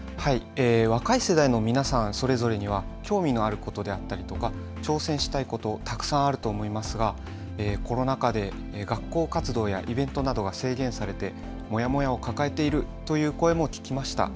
若い世代の皆さん、それぞれには興味のあることだったりとか挑戦したいこと、たくさんあると思いますがコロナ禍で学校活動やイベントなどが制限されてもやもやを抱えているという声も聞きました。